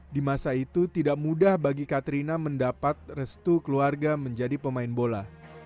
di masa itu tidak mudah bagi katrina mendapat restu keluarga menjadi pemain bola